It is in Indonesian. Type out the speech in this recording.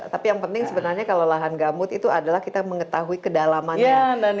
tapi yang penting sebenarnya kalau lahan gambut itu adalah kita mengetahui kedalaman gambut itu sendiri